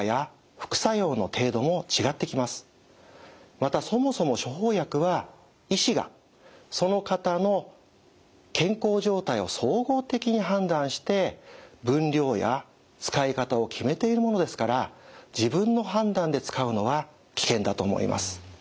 またそもそも処方薬は医師がその方の健康状態を総合的に判断して分量や使い方を決めているものですから自分の判断で使うのは危険だと思います。